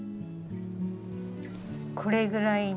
これぐらいに。